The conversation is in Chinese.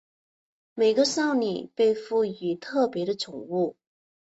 每个少女被赋与特别的宠物。